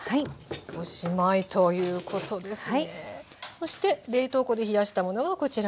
そして冷凍庫で冷やしたものがこちらです。